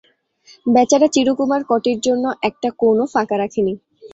বেচারা চিরকুমার কটির জন্যে একটা কোণও ফাঁকা রাখে নি।